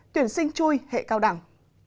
tuyển sinh chui hệ cao đẳng